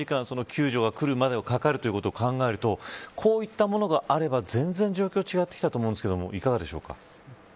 救助が来るまではかかるということを考えるとこういったものがあれば全然、状況は違ってきたと思いますが、いかがでしょうか。